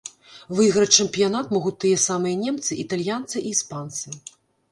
Выйграць чэмпіянат могуць тыя самыя немцы, італьянцы і іспанцы.